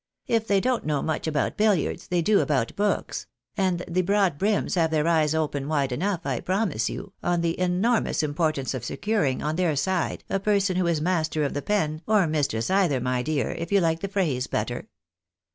" If they don't know much about billiards, they do about books ; and the broad brims have their eyes open wide enough, I promise you, on the enormous importance of securing on their side a person who is master of the pen, or mistress either, my dear, if you like the phrase better."